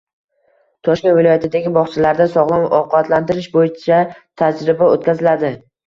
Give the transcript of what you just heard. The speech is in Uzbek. Toshkent viloyatidagi bog‘chalarda sog‘lom ovqatlantirish bo‘yicha tajriba o‘tkaziladi